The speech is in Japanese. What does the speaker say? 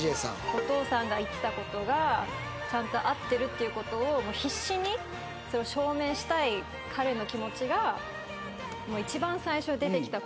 お父さんが言ってたことがちゃんと合ってるっていうことを必死にそれを証明したい彼の気持ちが一番最初出てきた